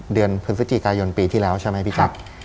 เดือนพฤศจิกายนปีที่แล้วใช่ไหมพี่แจ๊ค